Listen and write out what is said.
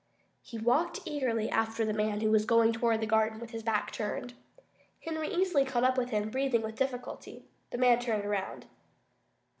He walked eagerly after the man who was going toward the garden with his back turned. Henry easily caught up with him, breathing with difficulty. The man turned around.